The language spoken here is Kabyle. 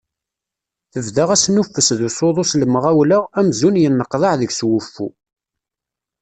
Tebda asnuffes d usuḍu s lemɣawla amzun yenneqḍaɛ deg-s wuffu.